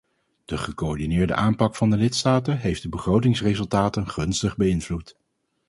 De gecoördineerde aanpak van de lidstaten heeft de begrotingsresultaten gunstig beïnvloed.